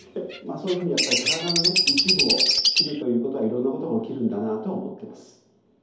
まあそういうふうにやっぱり体のね一部を切るということはいろんなことが起きるんだなと思ってます。